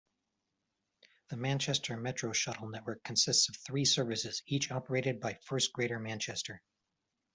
The Manchester Metroshuttle network consists of three services, each operated by First Greater Manchester.